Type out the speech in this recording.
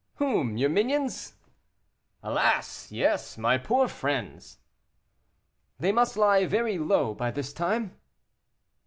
"Whom? your minions?" "Alas! yes, my poor friends." "They must lie very low by this time."